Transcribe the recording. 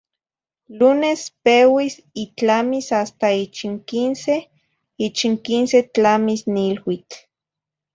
Lunes peuis y tlamis hasta ich n quince; ich n quince tlamis niluitl.